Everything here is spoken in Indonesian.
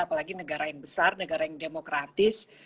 apalagi negara yang besar negara yang demokratis